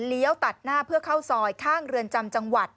ตัดหน้าเพื่อเข้าซอยข้างเรือนจำจังหวัด